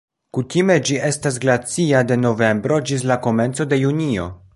Kutime ĝi estas glacia de novembro ĝis la komenco de junio.